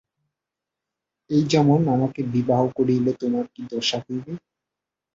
এই যেমন আমাকে বিবাহ করিলে তোমার কী দশা হইবে।